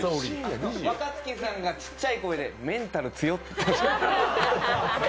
若槻さんがちっちゃい声でメンタル強って。